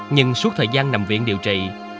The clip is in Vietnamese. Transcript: nhưng suốt thời gian nằm viện điều trị